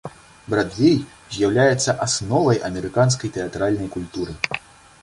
Брадвей з'яўляецца асновай амерыканскай тэатральнай культуры.